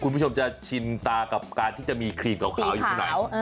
คุณผู้ชมจะชินตากับการที่จะมีครีมขาวอยู่ที่ไหน